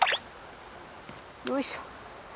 よいしょ。